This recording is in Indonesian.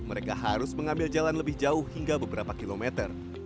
mereka harus mengambil jalan lebih jauh hingga beberapa kilometer